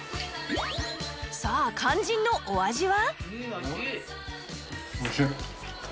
さあ肝心のお味は？